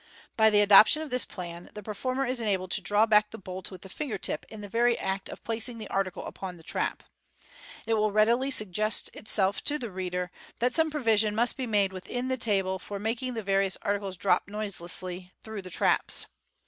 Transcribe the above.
By the adoption of this plan the performer is enabled to draw back the bolt with the finger tip in the very act of placing the article upon the trap. It will readily sug* gest itself to the reader that some provision must be made within the table for making the various articles drop noiselessly through the traps.